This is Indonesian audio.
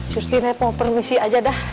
justinet mau permisi aja dah